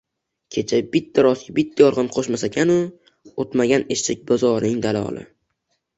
Kecha bitta rostga bitta yolg’on qo’shmasakuni o’tmagan eshak bozorining daloli